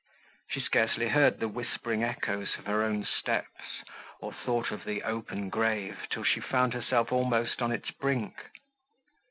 She scarcely heard the whispering echoes of her own steps, or thought of the open grave, till she found herself almost on its brink.